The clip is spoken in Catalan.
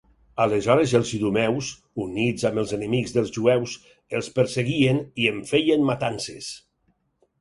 Aleshores els idumeus, units amb els enemics dels jueus, els perseguien i en feien matances.